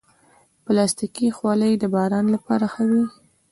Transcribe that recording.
پلاستيکي خولۍ د باران لپاره ښه وي.